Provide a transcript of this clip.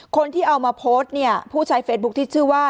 คนที่เอามาโพสต์เนี่ยผู้ใช้เฟซบุ๊คที่ชื่อว่า